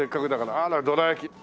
あらどら焼き。